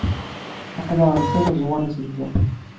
Aql-aɣ nsel i uẓawan aselti.